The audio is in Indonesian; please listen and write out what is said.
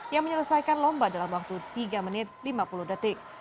yang menyelesaikan lomba dalam waktu tiga menit lima puluh detik